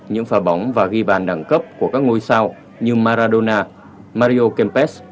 những pha bóng và ghi bàn đẳng cấp của các ngôi sao như maradona mario kempes